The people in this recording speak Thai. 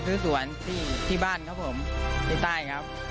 ซื้อสวนที่บ้านครับผมที่ใต้ครับ